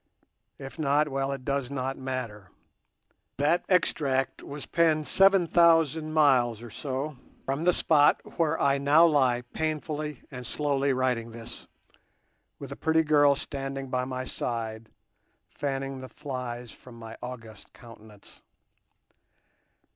If not, well it does not matter. That extract was penned seven thousand miles or so from the spot where I now lie painfully and slowly writing this, with a pretty girl standing by my side fanning the flies from my august countenance.